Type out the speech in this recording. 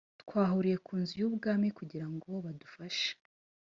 twahuriye ku nzu y’ubwami kugira ngo badufashe